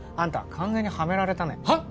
完全にハメられたねはっ？